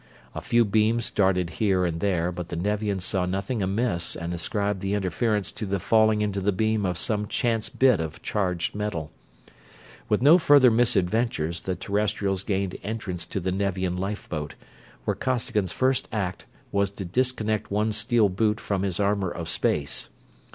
A few beams darted here and there, but the Nevians saw nothing amiss and ascribed the interference to the falling into the beam of some chance bit of charged metal. With no further misadventures the Terrestrials gained entrance to the Nevian lifeboat, where Costigan's first act was to disconnect one steel boot from his armor of space.